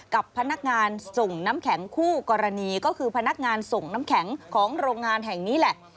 กับพนักงานส่งน้ำแข็งคู่กรณีก็คือพนักงานส่งน้ำแข็งของโรงงานแห่งนี้แหละ